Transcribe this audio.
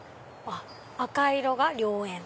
赤色が良縁！